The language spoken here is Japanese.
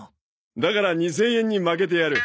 だから２０００円に負けてやる。